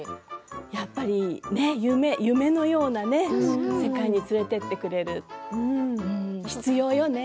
やっぱり、夢のようなね世界に連れて行ってくれる必要よね。